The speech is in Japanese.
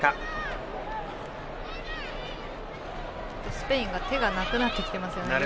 スペインが手がなくなってきてますよね。